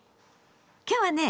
今日はね